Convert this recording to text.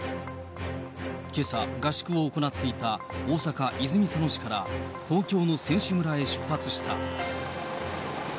けさ、合宿を行っていた大阪・泉佐野市から東京の選手村へ出発した。